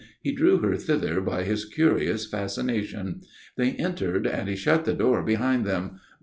He drew her thither by his curious fascination. They entered, and he shut the door behind them.